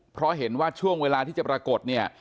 เพราะเห็นว่าช่วงเวลาที่จะปรากฏเนี่ย